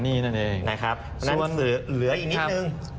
เพราะนั้นเหลืออีกนิดนึง